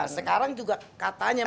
sekarang juga katanya masih suka